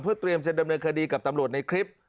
เพื่อเตรียมจะดำเนินคดีกับตำรวจในคลิป